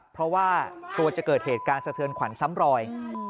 เพราะว่ากลัวจะเกิดเหตุการณ์สะเทือนขวัญซ้ำรอย